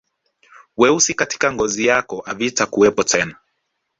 Weusi katika ngozi yako havitakuwepo tena